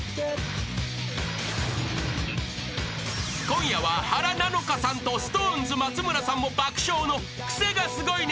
［今夜は原菜乃華さんとＳｉｘＴＯＮＥＳ松村さんも］